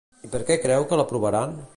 I per què creu que l'aprovaran?